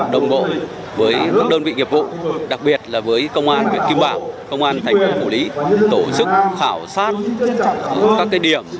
đồng bộ với các đơn vị nghiệp vụ đặc biệt là với công an nguyễn kim bảo công an thành phố hồ lý tổ chức khảo sát các điểm